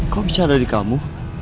kok bisa ada di kamu